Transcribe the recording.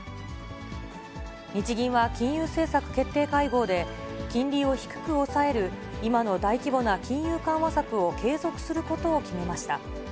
日銀は金融政策決定会合で、金利を低く抑える今の大規模な金融緩和策を継続することを決めました。